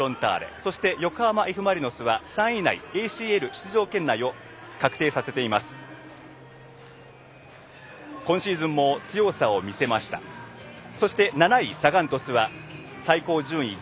そして、横浜Ｆ・マリノスは３位以内、ＡＣＬ出場圏内を確定させています。